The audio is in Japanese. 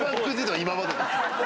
今までで。